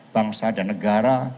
bangsa dan negara